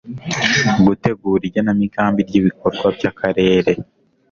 gutegura igenamigambi ry ibikorwa by'akarere